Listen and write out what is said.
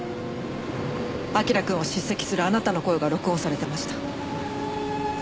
明君を叱責するあなたの声が録音されてました。